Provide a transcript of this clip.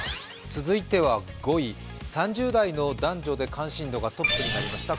続いては５位３０代の男女で関心度がトップになりました